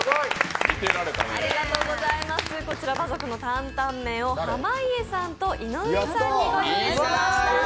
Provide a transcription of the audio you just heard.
馬賊さんの坦々麺を濱家さんと井上さんにご用意しました。